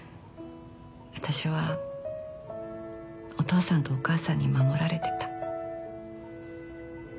私はお父さんとお母さんに守られてた。